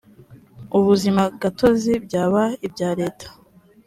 ubuzima gatozi byaba ibya leta